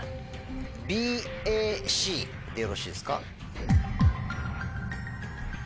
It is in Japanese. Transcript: ＢＡＣでよろしいですか？